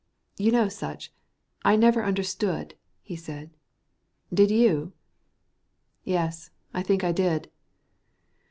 "You know, Sutch, I never understood," he said. "Did you?" "Yes, I think I did."